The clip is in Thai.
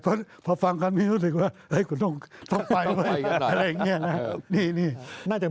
เพราะพอฟังกันไม่รู้สึกว่าต้องไปไว้อะไรอย่างนี้นะครับ